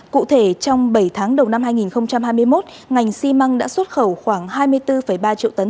cụ thể trong bảy tháng đầu năm hai nghìn hai mươi một ngành xi măng đã xuất khẩu khoảng hai mươi bốn ba triệu tấn